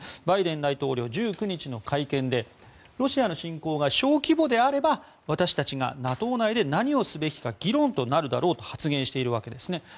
バイデン大統領は１９日の会見でロシアの侵攻が小規模であれば私たちがＮＡＴＯ内で何をすべきか議論となるだろうと発言しているわけなんですね。